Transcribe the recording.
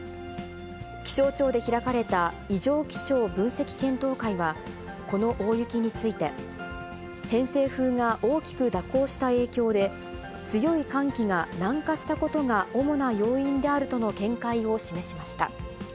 気象庁で開かれた異常気象分析検討会は、この大雪について、偏西風が大きく蛇行した影響で、強い寒気が南下したことが主な要因であるとの見解を示しました。